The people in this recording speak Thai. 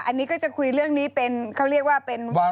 อันนี้ก็จะคุยเรื่องนี้เป็นเขาเรียกว่าเป็น